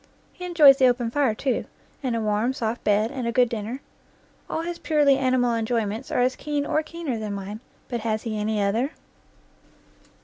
He enjoys the open fire, too, and a warm, soft bed, and a good dinner. All his purely animal enjoy ments are as keen or keener than mine, but has he any other?